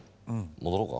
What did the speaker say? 戻ろうか？